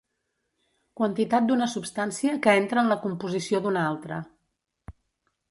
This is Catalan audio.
Quantitat d'una substància que entra en la composició d'una altra.